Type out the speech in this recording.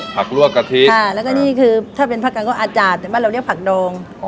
ลวกกะทิค่ะแล้วก็นี่คือถ้าเป็นผักกันก็อาจารย์แต่บ้านเราเรียกผักดอง